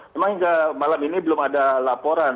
memang hingga malam ini belum ada laporan